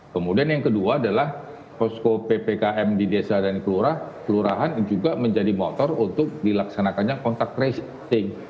kemudian yang kedua adalah posko ppkm di desa dan kelurahan juga menjadi motor untuk dilaksanakannya kontak tracing